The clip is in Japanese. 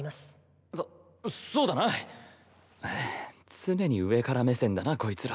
常に上から目線だなこいつら。